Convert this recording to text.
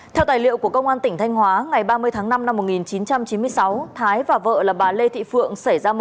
theo tài liệu của công an tỉnh thanh hóa ngày ba mươi tháng năm năm một nghìn chín trăm chín mươi sáu